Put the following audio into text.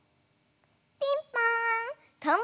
ピンポーン！